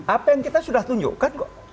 apa yang kita sudah tunjukkan kok